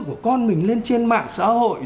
của con mình lên trên mạng xã hội